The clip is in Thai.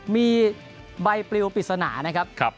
มีใบปลิวปริศนานะครับ